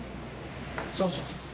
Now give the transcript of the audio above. そうそう。